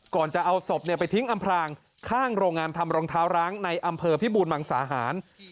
ก่อนจะเอาศพไปทิ้งอำพลางข้างโรงงานทำรองเท้าร้างในอำเภอพิบูรมังสาหาร